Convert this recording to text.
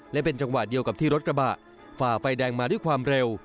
และเป็นจังหวะเดียวกับที่รถกระบะฝ่าไฟแดงมาด้วยความเร็ว